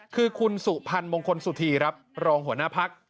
คือคุณสุพรรณมงคลสุธีครับรองหัวหน้าพัก